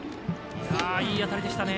いい当たりでしたね。